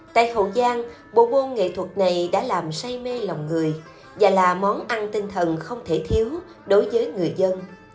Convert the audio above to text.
tại hậu giang bộ môn nghệ thuật này đã làm say mê lòng người và là món ăn tinh thần không thể thiếu đối với người dân